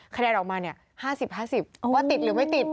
คะแนนออกมา๕๐๕๐ว่าติดหรือไม่ติด